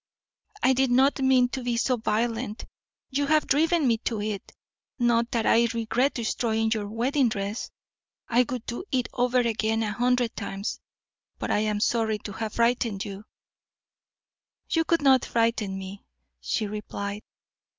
"I did not mean to be so violent; you have driven me to it. Not that I regret destroying your wedding dress: I would do it over again a hundred times; but I am sorry to have frightened you." "You could not frighten me," she replied.